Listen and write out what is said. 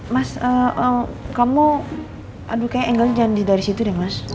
mas kamu aduh kayaknya angle janji dari situ deh mas